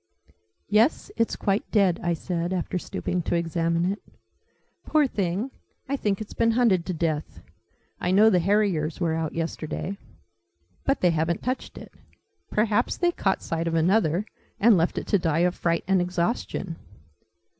"Yes, it's quite dead," I said, after stooping to examine it. "Poor thing! I think it's been hunted to death. I know the harriers were out yesterday. But they haven't touched it. Perhaps they caught sight of another, and left it to die of fright and exhaustion."